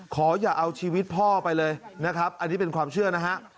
ขออย่าเอาชีวิตพ่อไปเลยนะครับอันนี้เป็นความเชื่อนะฮะ